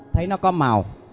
thấy nó có màu